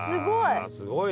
すごい。